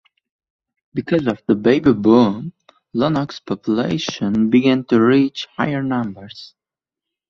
Because of the baby boom, Lonoke's population began to reach higher numbers.